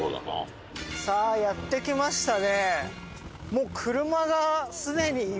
さあやって来ましたね。